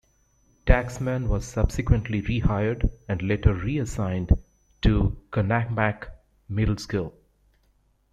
Taxman was subsequently rehired, and later reassigned to Conackamack Middle School.